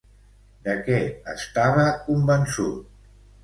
De què estava convençut?